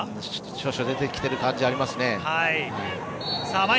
少々出てきている感じはありますね。